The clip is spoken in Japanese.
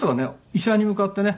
医者に向かってね